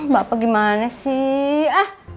bapak gimana sih